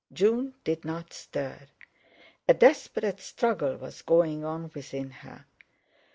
June did not stir. A desperate struggle was going on within her.